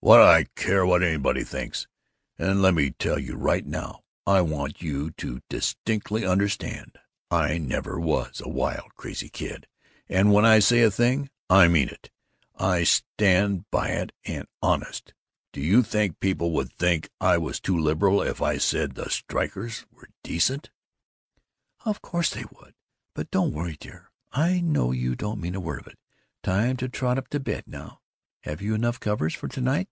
"What do I care what anybody thinks? And let me tell you right now I want you to distinctly understand I never was a wild crazy kid, and when I say a thing, I mean it, and I stand by it and Honest, do you think people would think I was too liberal if I just said the strikers were decent?" "Of course they would. But don't worry, dear; I know you don't mean a word of it. Time to trot up to bed now. Have you enough covers for to night?"